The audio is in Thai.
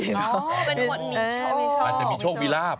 อ๋อเป็นคนมีโชคอาจจะมีโชคมีลาบ